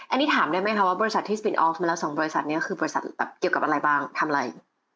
อันนี้ถามได้ไหมคะว่าบริษัทที่สปินออฟมาแล้ว๒บริษัทนี้คือบริษัทแบบเกี่ยวกับอะไรบ้างทำอะไร